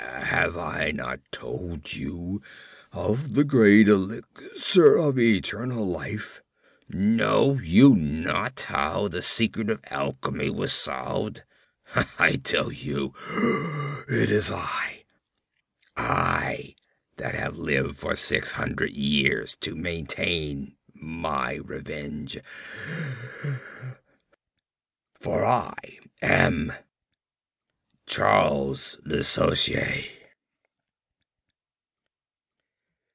Have I not told you of the great elixir of eternal life? Know you not how the secret of Alchemy was solved? I tell you, it is I! I! I! that have lived for six hundred years to maintain my revenge, FOR I AM CHARLES LE SORCIER!"